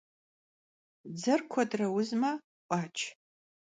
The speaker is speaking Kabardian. Dzer kuedre vuzme — 'Uaç.